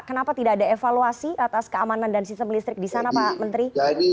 kenapa tidak ada evaluasi atas keamanan dan sistem listrik di sana pak menteri